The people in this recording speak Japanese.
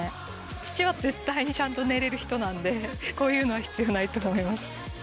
父は絶対にちゃんと寝れる人なんでこういうのは必要ないと思います。